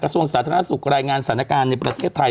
ส่วนสาธารณสุขรายงานสถานการณ์ในประเทศไทย